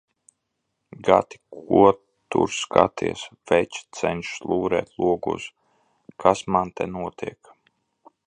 Gati, ko tur skaties? Veča cenšas lūrēt logos, kas man te notiek.